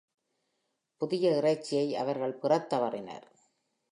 புதிய இறைச்சியை அவர்கள் பெறத் தவறினர்.